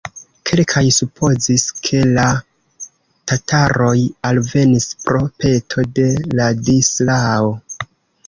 Kelkaj supozis, ke la tataroj alvenis pro peto de Ladislao.